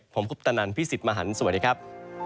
ผมคุปตะนันพี่สิทธิ์มหันฯสวัสดีครับ